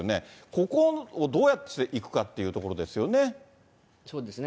ここをどうやっていくかといういうところですよね。